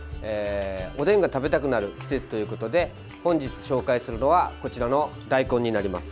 おでんが食べたくなる季節ということで本日、紹介するのはこちらの大根になります。